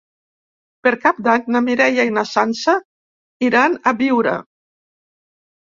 Per Cap d'Any na Mireia i na Sança iran a Biure.